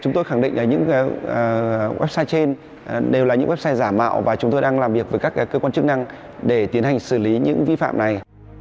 chúng tôi khẳng định những website trên đều là những website giả mạo và chúng tôi đang làm việc với các cơ quan chức năng để tiến hành xử lý những vi phạm này